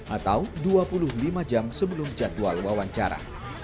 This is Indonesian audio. atau dua puluh lima jam sebelum jadwal wawancara